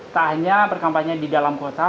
tak hanya berkampanye di dalam kota